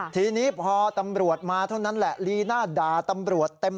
ทีนี้พอตำรวจมาเท่านั้นแหละลีน่าด่าตำรวจเต็ม